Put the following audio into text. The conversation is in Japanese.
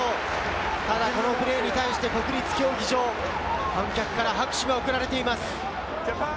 このプレーに対して国立競技場、観客から拍手が送られています。